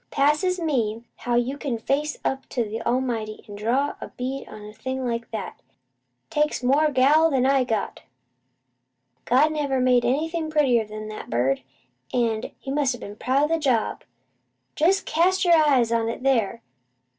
Passes me, how you can face up to the Almighty, an' draw a bead on a thing like that! Takes more gall'n I got! "God never made anything prettier 'an that bird, an' He must a been mighty proud o' the job. Jest cast your eyes on it there!